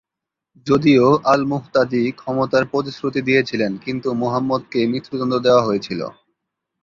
যদিও আল-মুহতাদি ক্ষমার প্রতিশ্রুতি দিয়েছিলেন, কিন্তু মুহাম্মদকে মৃত্যুদণ্ড দেওয়া হয়েছিল।